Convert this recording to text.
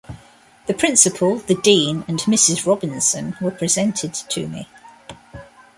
The Principal, the Dean and Mrs Robinson were presented to me.